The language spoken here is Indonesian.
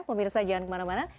pemirsa jangan kemana mana